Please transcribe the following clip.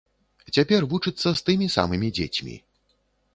Цяпер вучыцца з тымі самымі дзецьмі.